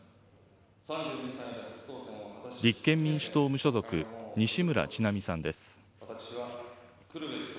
立憲民主党・無所属、西村智奈美さんです。